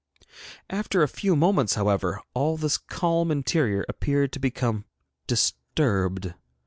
After a few moments, however, all this calm interior appeared to become disturbed.